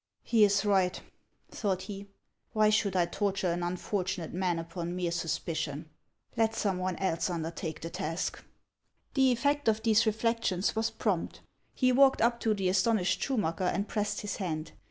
" He is right," thought he ;" why should I torture an unfortunate man upon mere suspicion ? Let some one else undertake the task I " The effect of these reflections was prompt ; he walked up to the astonished Schumacker and pressed his hand.